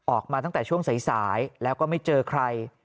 ออกมาตั้งแต่ช่วงสายแล้วก็ไม่เจอใคร